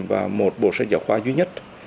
và một bộ sách giáo khoa duy nhất